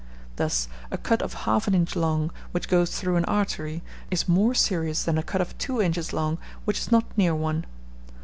Thus, a cut of half an inch long, which goes through an artery, is more serious than a cut of two inches long, which is not near one.